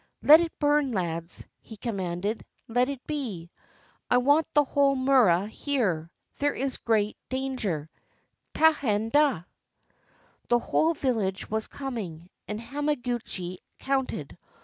"Let it burn, lads!" he commanded, — "let it be! I want the whole mura here. There is a great danger, — taihen da!" The whole village was coming; and Hamaguchi counted.